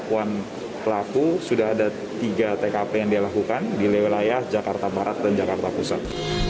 pengakuan pelaku sudah ada tiga tkp yang dia lakukan di wilayah jakarta barat dan jakarta pusat